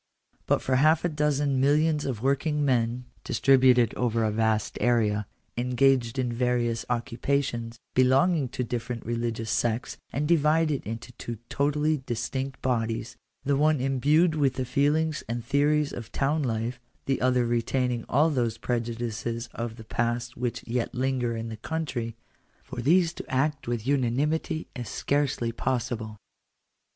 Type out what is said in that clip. But for half a dozen millions of working men, dis tributed over a vast area, engaged in various occupations, be longing to different religious sects, and divided into two totally distinct bodies, the one imbued with the feelings and theories of town life, the other retaining all those prejudices of the past which yet linger in the country — for these to act with unanimity Digitized by VjOOQIC 222 THE CONSTITUTION OF THE STATE. is scarcely possible.